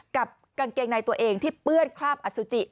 กับกางเกงในตัวเองที่เปื้อนคราบอสุจิ